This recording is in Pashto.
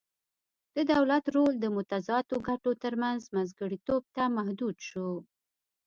د دولت رول د متضادو ګټو ترمنځ منځګړیتوب ته محدود شو